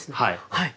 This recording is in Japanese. はい。